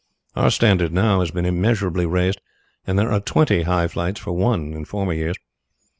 Our standard now has been immeasurably raised, and there are twenty high flights for one in former years.